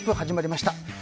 始まりました。